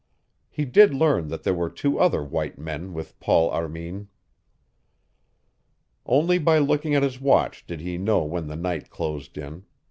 He did learn that there were two other white men with Paul Armin. Only by looking at his watch did he know when the night closed in.